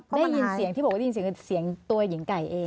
ได้ยินเสียงที่บอกว่าได้ยินเสียงตัวหญิงไก่เอง